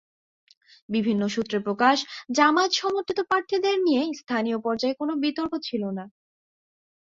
বিভিন্ন সূত্রে প্রকাশ, জামায়াত-সমর্থিত প্রার্থীদের নিয়ে স্থানীয় পর্যায়ে কোনো বিতর্ক ছিল না।